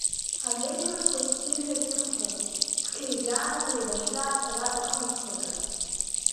Ҳанеиԥырҵуаз сиҳәеит ихәра цқьа иӷьаанӡа еибашьра ацара дахымццакырц.